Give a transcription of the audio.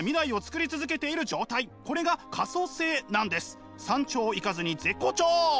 つまり山頂行かずに絶好調！